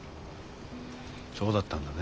そうだったんだね。